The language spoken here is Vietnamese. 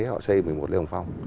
họ xây một mươi một lê hồng phong